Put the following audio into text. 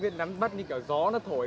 thế là bạn xuống đây chơi à